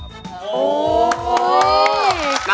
อู้หัว